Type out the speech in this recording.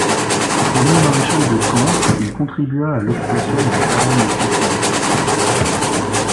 Promu maréchal de camp, il contribua à l'occupation de la Cerdagne française.